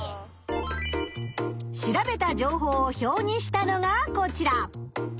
調べた情報を表にしたのがこちら。